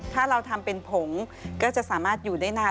ถ้าเราทำเป็นผงก็จะสามารถอยู่ได้นาน